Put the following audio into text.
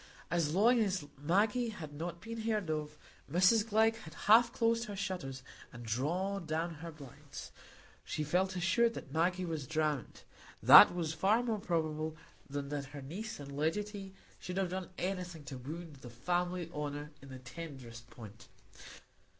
As long as Maggie had not been heard of, Mrs Glegg had half closed her shutters and drawn down her blinds. She felt assured that Maggie was drowned; that was far more probable than that her niece and legatee should have done anything to wound the family honour in the tenderest point.